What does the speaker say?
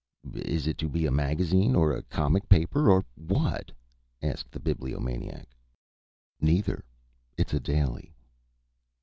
"Is it to be a magazine, or a comic paper, or what?" asked the Bibliomaniac. "Neither. It's a daily."